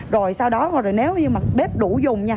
rồi sau đó nếu như bếp đủ dùng nha